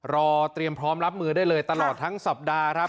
รอเตรียมพร้อมรับมือได้เลยตลอดทั้งสัปดาห์ครับ